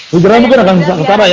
hidrahnya mungkin akan sengsara ya